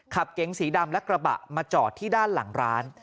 เก๋งสีดำและกระบะมาจอดที่ด้านหลังร้าน